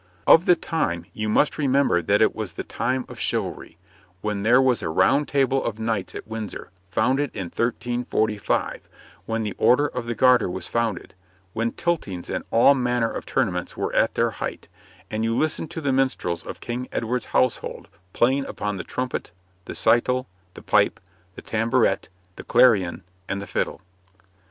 Of the time, you must remember that it was the time of chivalry, when there was a Round Table of Knights at Windsor, founded in 1345; when the Order of the Garter was founded; when tiltings and all manner of tournaments were at their height; and you listen to the minstrels of King Edward's household playing upon the trumpet, the cytole, the pipe, the taberet, the clarion, and the fiddle.